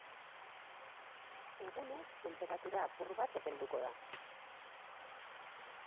Egunez, tenperatura apur bat epelduko da.